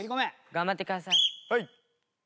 頑張ってください。